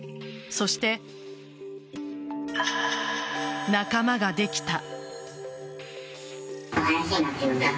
そして仲間ができた。